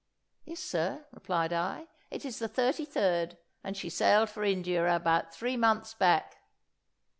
"Yes, sir," replied I; "it is the 33rd, and she sailed for India about three months back."